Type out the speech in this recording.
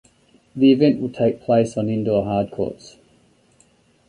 The event will take place on indoor hard courts.